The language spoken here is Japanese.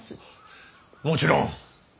もちろん。